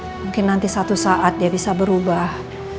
mungkin nanti satu saat dia bisa berubah